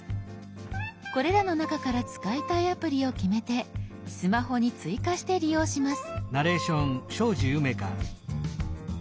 これらの中から使いたいアプリを決めてスマホに追加して利用します。